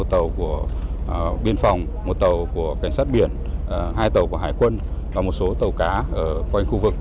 một tàu của biên phòng một tàu của cảnh sát biển hai tàu của hải quân và một số tàu cá ở quanh khu vực